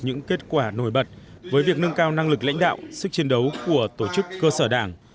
những kết quả nổi bật với việc nâng cao năng lực lãnh đạo sức chiến đấu của tổ chức cơ sở đảng